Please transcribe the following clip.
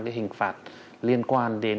cái hình phạt liên quan đến